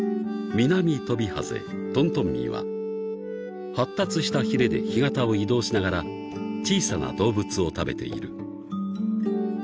［ミナミトビハゼトントンミーは発達したヒレで干潟を移動しながら小さな動物を食べている］